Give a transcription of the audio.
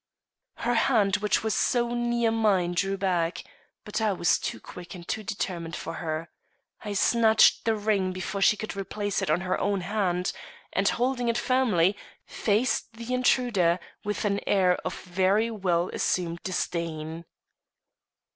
Her hand which was so near mine drew back; but I was too quick and too determined for her. I snatched the ring before she could replace it on her own hand, and, holding it firmly, faced the intruder with an air of very well assumed disdain.